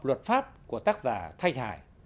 luật pháp của tác giả thanh hải